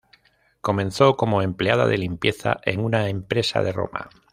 Comenzó como empleada de limpieza en una empresa de Roma.